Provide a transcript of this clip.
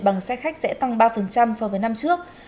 bằng xe khách sẽ tăng ba so với năm trước